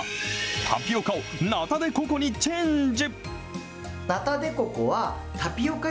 タピオカをナタデココにチェンジ。